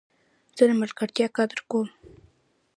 زه د ملګرتیا قدر کوم.